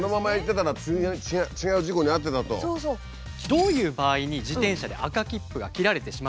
どういう場合に自転車で赤切符が切られてしまうのか。